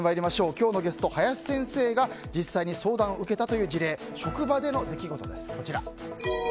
今日のゲスト、林先生が実際に相談を受けたという事例職場での出来事です。